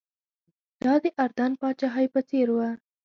دا د اردن پاچاهۍ په څېر و.